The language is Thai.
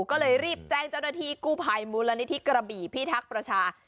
ก็เลยรีบแจ้งเจ้าหน้าที่กู้ภัยมูลนิธิกระบี่พิทักษ์ประชา